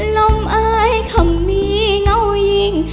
ล้ำอ้ายคำนี้เงาหญิง